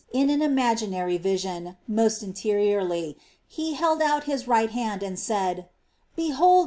i^ ^^ imaginary vision, most interiorly. He held out His right hand and said :" Behold this nail